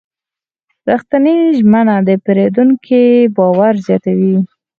رښتینې ژمنه د پیرودونکي باور زیاتوي.